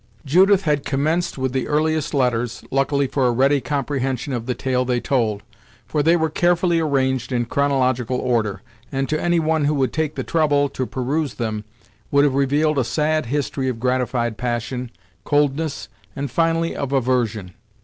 Judith had commenced with the earliest letters, luckily for a ready comprehension of the tale they told, for they were carefully arranged in chronological order, and to any one who would take the trouble to peruse them, would have revealed a sad history of gratified passion, coldness, and finally of aversion.